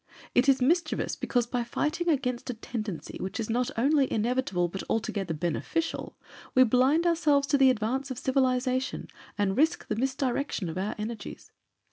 It is mischievous because by fighting against a tendency which is not only inevitable but altogether beneficial, we blind ourselves to the advance of civilization and risk the misdirection of our energies.